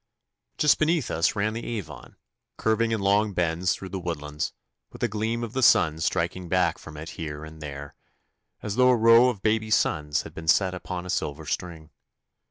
Just beneath us ran the Avon, curving in long bends through the woodlands, with the gleam of the sun striking back from it here and there, as though a row of baby suns had been set upon a silver string.